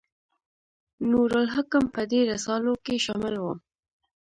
نور الحکم په دې رسالو کې شامل و.